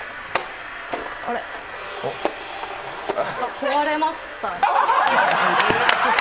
壊れました。